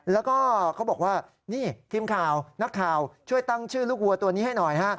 แล้วก็เขาบอกว่านี่ทีมข่าวนักข่าวช่วยตั้งชื่อลูกวัวตัวนี้ให้หน่อยฮะ